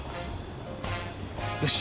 よし。